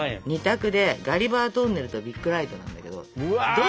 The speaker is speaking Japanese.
２択で「ガリバートンネル」と「ビッグライト」なんだけど。